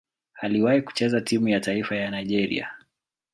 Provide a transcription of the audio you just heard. Aliwahi kucheza timu ya taifa ya Nigeria.